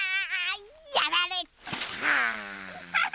やられた。